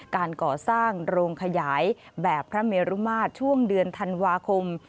การก่อสร้างโรงขยายแบบพระเมรุมาตรช่วงเดือนธันวาคม